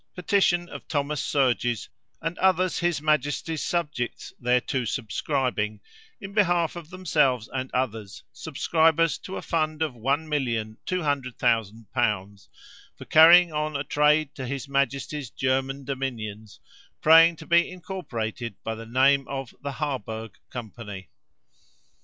Petition of Thomas Surges and others his majesty's subjects thereto subscribing, in behalf of themselves and others, subscribers to a fund of 1,200,000l. for carrying on a trade to his majesty's German dominions, praying to be incorporated by the name of the Harburg Company.